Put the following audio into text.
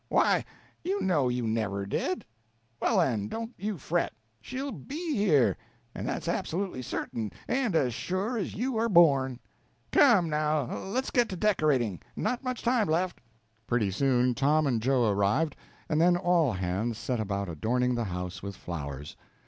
Why, you know you never did. Well, then, don't you fret; she'll_ be_ here, and that's absolutely certain, and as sure as you are born. Come, now, let's get to decorating not much time left." Pretty soon Tom and Joe arrived, and then all hands set about adorning the house with flowers.